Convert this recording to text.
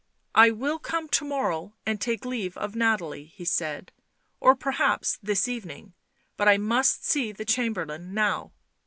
" I will come to morrow and take leave of Nathalie," he said; " or perhaps this evening. But I must see the Chamberlain now."